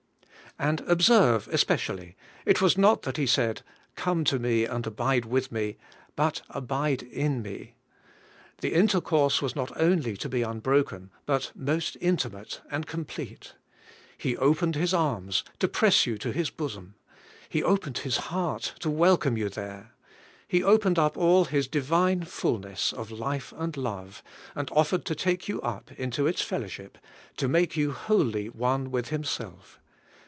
And observe especially, it was not that He said, *Oome to me and abide with me,' but, 'Abide in me.'* The intercourse was not only to be unbroken, but most intimate and complete. He opened His arms, to press you to His bosom; He opened His heart, to welcome you there; He opened up all His Divine ful ness of life and love, and offered to take you up into its fellowship, to make you wholly one with Himself.